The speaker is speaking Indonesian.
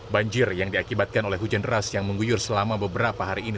banjir yang diakibatkan oleh hujan deras yang mengguyur selama beberapa hari ini